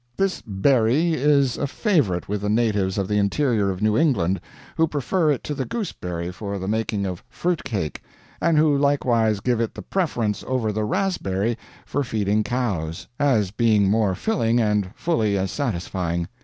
This berry is a favorite with the natives of the interior of New England, who prefer it to the gooseberry for the making of fruit cake, and who likewise give it the preference over the raspberry for feeding cows, as being more filling and fully as satisfying.